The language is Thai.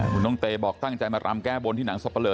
คุณน้องเตบอกตั้งใจมารำแก้บนที่หนังสับปะเลอ